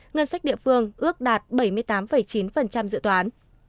ngân sách địa phương ước đạt bảy mươi tám chín dự toán